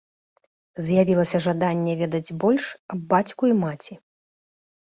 З'явілася жаданне ведаць больш аб бацьку і маці.